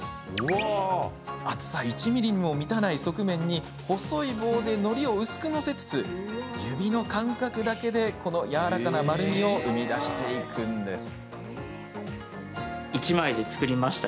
厚さ１ｍｍにも満たない側面に細い棒で、のりを薄く載せつつ指の感覚だけで、やわらかな丸みを生み出していきます。